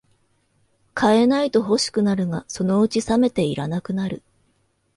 買えないと欲しくなるが、そのうちさめていらなくなる